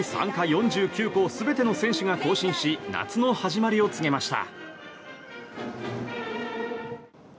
４９校全ての選手が行進し夏の始まりを告げました。